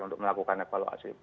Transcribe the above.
untuk melakukan evaluasi